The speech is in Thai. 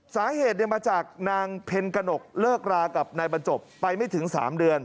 สาเหตุมาจากนางเพ็ญกนกเลิกรากับนายบรรจบไปไม่ถึง๓เดือน